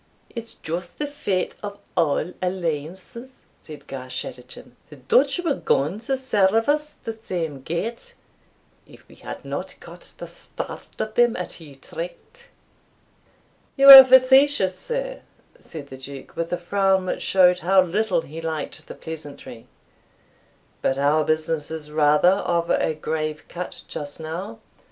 "It's just the fate of all alliances," said Garschattachin, "the Dutch were gaun to serve us the same gate, if we had not got the start of them at Utrecht." "You are facetious, air," said the Duke, with a frown which showed how little he liked the pleasantry; "but our business is rather of a grave cut just now.